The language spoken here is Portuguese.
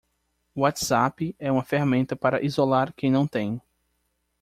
O WhatsApp é uma ferramenta para isolar quem não tem.